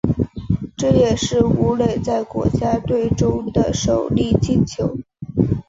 这也是武磊在国家队中的首粒进球。